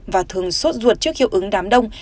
và thường sốt ruột trước hiệu ứng đám đông